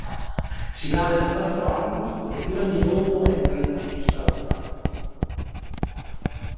Si laurea in quattro anni e due anni dopo entra in magistratura.